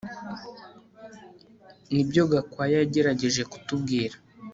Nibyo Gakwaya yagerageje kutubwira